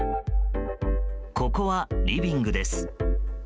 ここはリビングです。